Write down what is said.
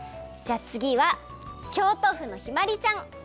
じゃあつぎは京都府のひまりちゃん。